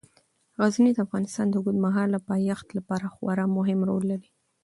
غزني د افغانستان د اوږدمهاله پایښت لپاره خورا مهم رول لري.